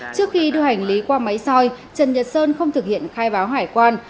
trước khi đưa hành lý qua máy soi trần nhật sơn không thực hiện khai báo hải quan